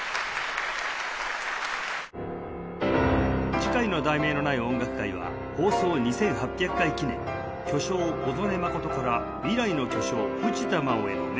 次回の『題名のない音楽会』は放送２８００回記念「巨匠・小曽根真から未来の巨匠・藤田真央への伝達」